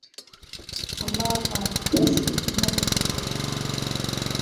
ambao kwa kiasi kikubwa umechangia kupatikana